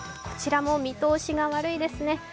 こちらも見通しが悪いですね。